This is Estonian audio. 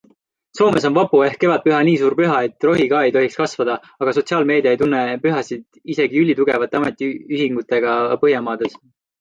Soomes on vappu ehk kevadpüha nii suur püha, et rohi ka ei tohiks kasvada, aga sotsiaalmeedia ei tunne pühasid isegi ülitugevate ametiühingutega Põhjamaades.